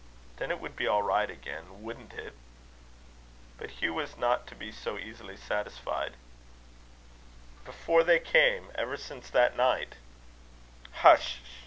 Then it would be all right again wouldn't it?" But Hugh was not to be so easily satisfied. "Before they came, ever since that night " "Hush sh!"